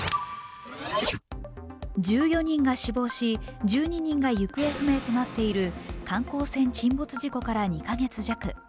１４人が死亡し１２人が行方不明となっている観光船沈没事故から２カ月弱。